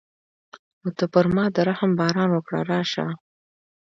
نو ته پر ما د رحم باران وکړه راشه.